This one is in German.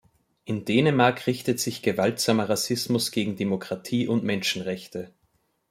In Dänemark richtet sich gewaltsamer Rassismus gegen Demokratie und Menschenrechte.